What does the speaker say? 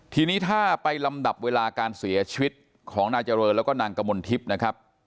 ทีนี้ถ้าไปลำดับเวลาการเสียชีวิตของนายเจริญแล้วก็นางกมลทิพย์นะครับ